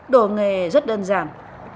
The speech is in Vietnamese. đồ nghề rất đơn giản